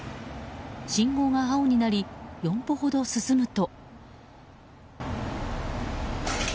信号が青になり４歩ほど進むと。